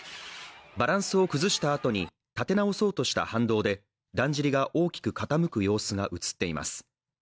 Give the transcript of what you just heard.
バランスを崩したあとに立て直そうとした反動でだんじりが大きく傾く様子が映っています。